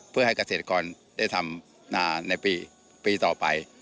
เพื่อให้เกษตรกรได้ทำนาในปีต่อไป